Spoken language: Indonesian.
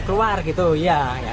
keluar gitu ya